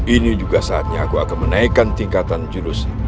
ini juga saatnya aku akan menaikkan tingkatan jurus